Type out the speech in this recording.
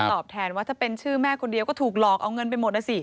ตอบแทนว่าถ้าเป็นชื่อแม่คนเดียวก็ถูกหลอกเอาเงินไปหมดนะสิ